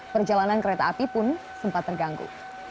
perjalanan kereta api pun sempat terganggu